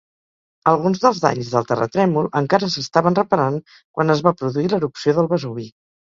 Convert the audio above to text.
Alguns dels danys del terratrèmol encara s'estaven reparant quan es va produir l'erupció del Vesuvi.